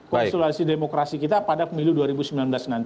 konsultasi demokrasi kita pada pemilu dua ribu sembilan belas nanti